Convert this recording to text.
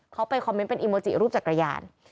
เขาไปคอมเมนต์เป็นอีโมจิรูปจักรยาน